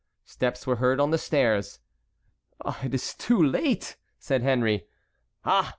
Steps were heard on the stairs. "It is too late," said Henry. "Ah!